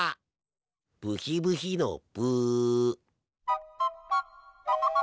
ブヒブヒのブ。